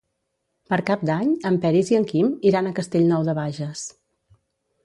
Per Cap d'Any en Peris i en Quim iran a Castellnou de Bages.